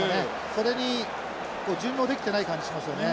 それに順応できてない感じしますよね。